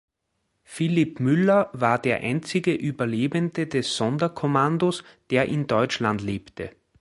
Filip Müller war der einzige Überlebende des Sonderkommandos, der in Deutschland lebte.